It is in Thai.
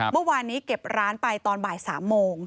เมื่อวานนี้เก็บร้านไปตอนบ่าย๓โมง